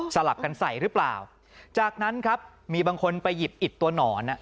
ลับกันใส่หรือเปล่าจากนั้นครับมีบางคนไปหยิบอิดตัวหนอนอ่ะ